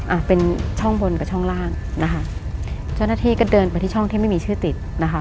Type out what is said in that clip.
อ่าเป็นช่องบนกับช่องล่างนะคะเจ้าหน้าที่ก็เดินไปที่ช่องที่ไม่มีชื่อติดนะคะ